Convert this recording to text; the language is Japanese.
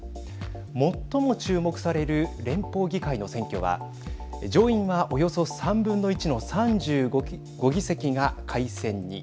最も注目される連邦議会の選挙は上院はおよそ３分の１の３５議席が改選に。